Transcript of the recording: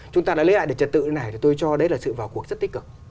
chúng ta đã lấy lại được trật tự này tôi cho đấy là sự vào cuộc rất tích cực